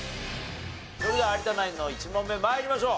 それでは有田ナインの１問目参りましょう。